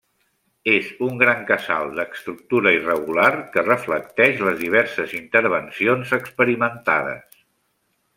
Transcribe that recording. És un gran casal d'estructura irregular que reflecteix les diverses intervencions experimentades.